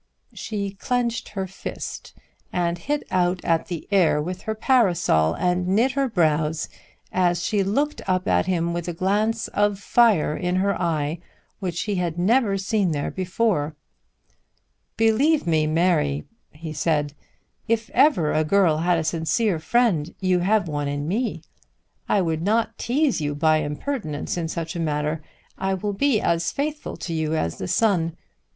She clenched her fist, and hit out at the air with her parasol, and knit her brows as she looked up at him with a glance of fire in her eye which he had never seen there before. "Believe me, Mary," he said; "if ever a girl had a sincere friend, you have one in me. I would not tease you by impertinence in such a matter. I will be as faithful to you as the sun.